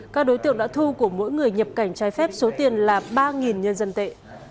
các đối tượng đã thu của mỗi người nhập cảnh trái phép số tiền là ba nhân dân tệ